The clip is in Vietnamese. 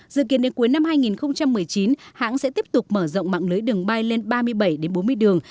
dự kiến đến cuối năm hai nghìn một mươi chín hãng sẽ tiếp tục mở rộng mạng lưới đường bay lên ba mươi bảy bốn mươi đường